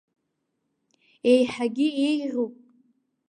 Еиҳагьы еиӷьуп!